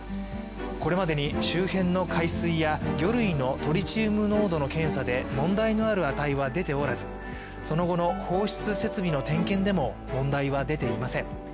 これまでに周辺の海水や魚類のトリチウム濃度の検査で問題のある値は出ておらずその後の放出設備の点検でも問題は出ていません。